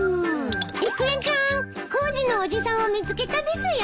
イクラちゃん工事のおじさんを見つけたですよ。